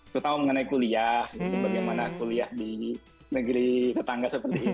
terutama mengenai kuliah bagaimana kuliah di negeri tetangga seperti ini